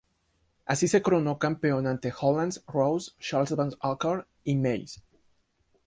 Así, se coronó campeón ante Holland, Rose, Charles Van Acker y Mays.